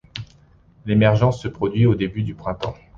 L'émergence se produit au début du printemps.